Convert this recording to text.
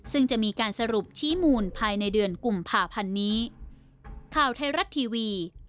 ซึ่งจะมีการสรุปชี้มูลภายในเดือนกุมภาพันธ์นี้